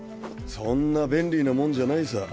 そんな便利なもんじゃないさ。